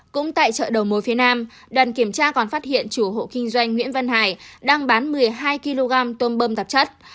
cũng tại chợ đầu mối phía nam đoàn kiểm tra còn phát hiện chủ hộ kinh doanh nguyễn văn hải đang bán một mươi hai kg tôm tạp chất